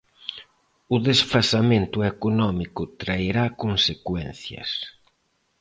O desfasamento económico traerá consecuencias.